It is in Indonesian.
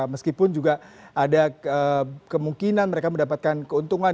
meskipun juga ada kemungkinan mereka mendapatkan keuntungan